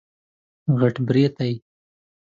غټ برېتی